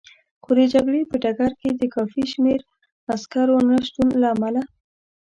خو د جګړې په ډګر کې د کافي شمېر عسکرو نه شتون له امله.